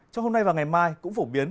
trong hôm nay và ngày mai cũng phổ biến